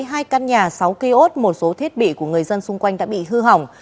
hai căn nhà sáu kia ốt một số thiết bị của người dân xung quanh đã bị hư hỏng